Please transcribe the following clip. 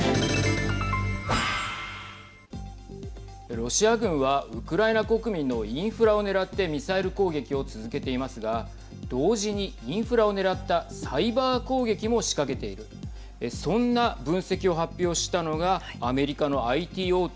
ロシア軍はウクライナ国民のインフラを狙ってミサイル攻撃を続けていますが同時に、インフラを狙ったサイバー攻撃も仕掛けているそんな分析を発表したのがアメリカのＩＴ大手